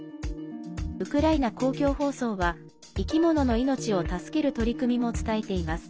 ウクライナ公共放送は生き物の命を助ける取り組みも伝えています。